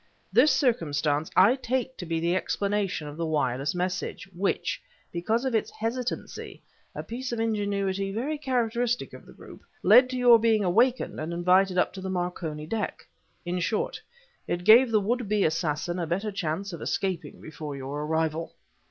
This circumstance I take to be the explanation of the wireless message, which, because of its hesitancy (a piece of ingenuity very characteristic of the group), led to your being awakened and invited up to the Marconi deck; in short, it gave the would be assassin a better chance of escaping before your arrival."